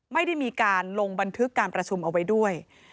ไม่ได้มีการลงบันทึกการประชุมเอาไว้ด้วย